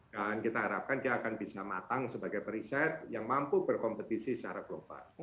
dan kita harapkan dia akan bisa matang sebagai periset yang mampu berkompetisi secara global